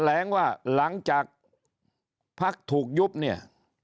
แหลงว่าหลังจากพักถูกยุบเนี่ย